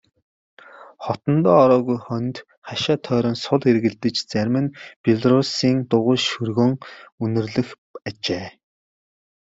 Хотондоо ороогүй хоньд хашаа тойрон сул эргэлдэж зарим нь белоруссын дугуй шөргөөн үнэрлэх ажээ.